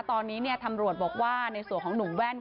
ตอนนี้ตำรวจบอกว่าในส่วนของหนุ่มแว่น